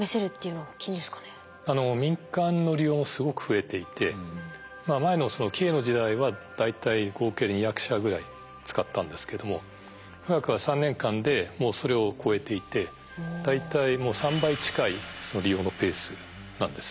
民間の利用もすごく増えていて前の「京」の時代は大体合計で２００社ぐらい使ったんですけども「富岳」は３年間でもうそれを超えていて大体もう３倍近い利用のペースなんですね。